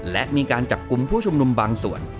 และมีการจับกลุ่มผู้ชุมนุมบางส่วน